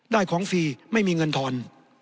ได้ของฟรีไม่มีเงินทอน